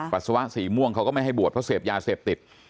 ปัสสาวะสีม่วงเขาก็ไม่ให้บวชเพราะเสพยาเสพติด